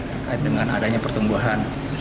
terkait dengan adanya pertumbuhan